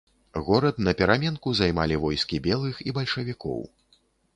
Горад напераменку займалі войскі белых і бальшавікоў.